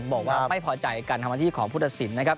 บอกว่าไม่พอใจการทำหน้าที่ของผู้ตัดสินนะครับ